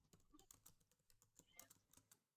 白皮柳为杨柳科柳属的植物。